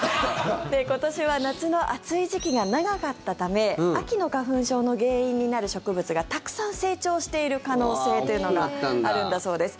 今年は夏の暑い時期が長かったため秋の花粉症の原因になる植物がたくさん成長している可能性というのがあるんだそうです。